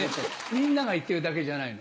みんなが言ってるだけじゃないの。